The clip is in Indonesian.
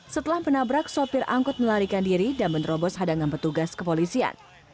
setelah penabrak sopir angkut melarikan diri dan menerobos hadangan petugas kepolisian